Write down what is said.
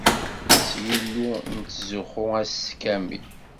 S Yillu i nettzuxxu ass kamel.